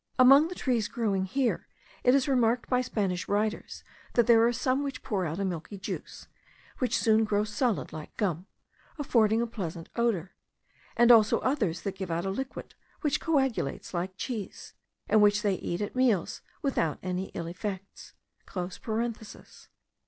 (Among the trees growing here, it is remarked by Spanish writers that there are some which pour out a milky juice which soon grows solid, like gum, affording a pleasant odour; and also others that give out a liquid which coagulates like cheese, and which they eat at meals without any ill effects).